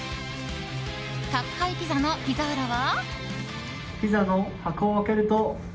宅配ピザのピザーラは。